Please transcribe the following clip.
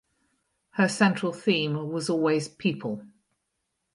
Her central theme was always people.